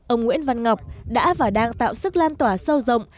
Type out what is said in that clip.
ông nguyễn văn ngọc đã và đang tạo sức lan tỏa sâu rộng